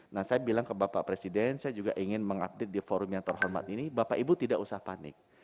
nah saya bilang ke bapak presiden saya juga ingin mengupdate di forum yang terhormat ini bapak ibu tidak usah panik